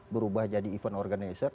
berubah jadi event organizer